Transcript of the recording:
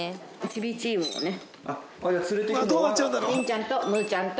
ちびチームをね。